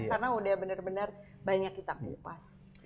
karena udah benar benar banyak kita kelepas